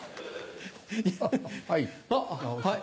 はい！